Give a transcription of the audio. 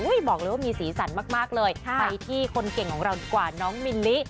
บอกเลยว่ามีสีสันมากเลยไปที่คนเก่งของเราดีกว่าน้องมิลลิ